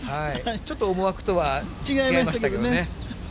ちょっと思惑とは違いましたけどね。